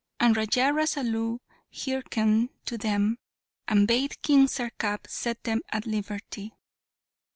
And Raja Rasalu hearkened to them, and bade King Sarkap set them at liberty.